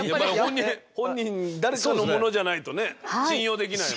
本人誰かのモノじゃないとね信用できないもん。